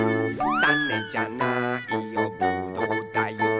「たねじゃなーいよぶどうだよ」